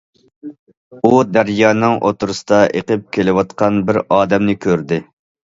ئۇ دەريانىڭ ئوتتۇرىسىدا ئېقىپ كېلىۋاتقان بىر ئادەمنى كۆردى.